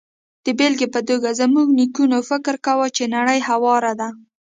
د بېلګې په توګه، زموږ نیکونو فکر کاوه چې نړۍ هواره ده.